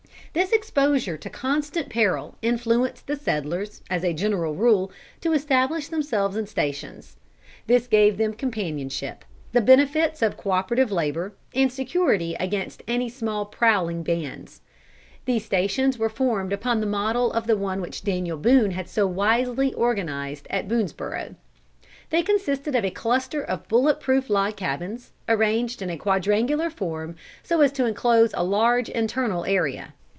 This exposure to constant peril influenced the settlers, as a general rule, to establish themselves in stations. This gave them companionship, the benefits of co operative labor, and security against any small prowling bands. These stations were formed upon the model of the one which Daniel Boone had so wisely organized at Boonesborough. They consisted of a cluster of bullet proof log cabins, arranged in a quadrangular form, so as to enclose a large internal area.